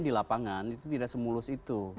di lapangan itu tidak semulus itu